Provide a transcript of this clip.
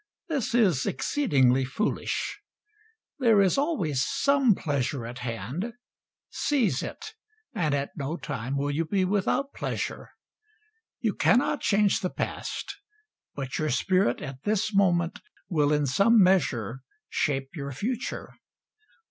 This is exceedingly foolish. There is always some pleasure at hand; seize it, and at no time will you be without pleasure. You cannot change the past, but your spirit at this moment will in some measure shape your future.